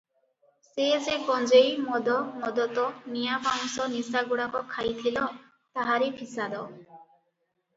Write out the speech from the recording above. ସେ ଯେ ଗଞ୍ଜେଇ – ମଦ – ମଦତ – ନିଆଁ ପାଉଁଶ ନିଶା ଗୁଡ଼ାକ ଖାଇଥିଲ, ତାହାରି ଫିସାଦ ।